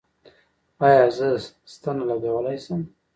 ایا زه ستنه لګولی شم؟